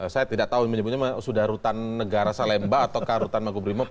saya tidak tahu menyebutnya sudah rutan negara salemba atau rutan magubrimob